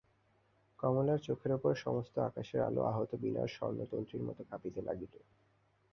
কমলার চোখের উপরে সমস্ত আকাশের আলো আহত বীণার স্বর্ণতন্ত্রীর মতো কাঁপিতে লাগিল।